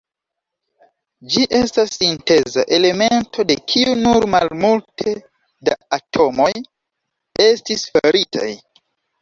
Ĝi estas sinteza elemento, de kiu nur malmulte da atomoj estis faritaj.